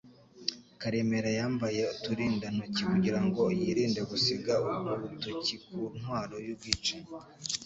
Karemera. yambaye uturindantoki kugira ngo yirinde gusiga urutoki ku ntwaro y'ubwicanyi.